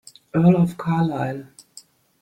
Earl of Carlisle.